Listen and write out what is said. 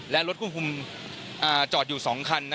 และรถควบคุมจอดอยู่๒คัน